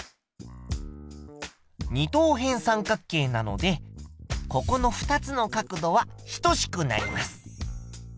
二等辺三角形なのでここの２つの角度は等しくなります。